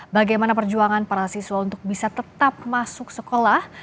bagaimana perjuangan para siswa untuk bisa tetap masuk sekolah